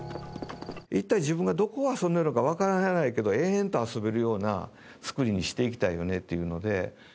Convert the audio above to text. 一体、自分がどこを遊んでるのかわからないけど延々と遊べるような作りにしていきたいよねっていうので。